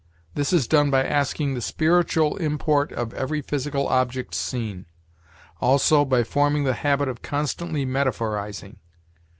This is done by asking the spiritual import of every physical object seen; also by forming the habit of constantly metaphorizing.